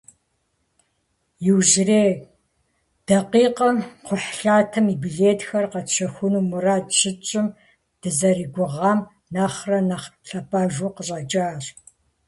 Иужьрей дакъикъэм кхъухьлъатэм и билетхэр къэтщэхуну мурад щытщӏым, дызэригугъам нэхърэ нэхъ лъапӏэжу къыщӀэкӀащ.